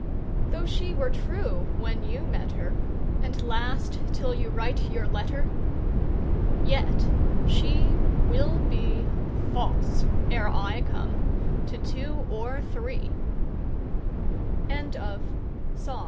Though she were true when you met her, And last till you write your letter, Yet she 25 Will be False, ere I come, to two o